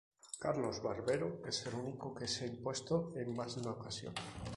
Carlos Barbero es el único que se ha impuesto en más de una ocasión.